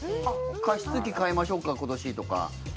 あっ加湿器買いましょうか今年とか。